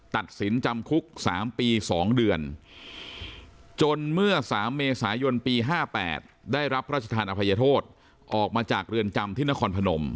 ตัดสินจำคุกสามปีสองเดือนจนเมื่อสามเมษายนปีห้าแปดได้รับรัชธานอภัยโทษออกมาจากเรือนจำที่นครพนม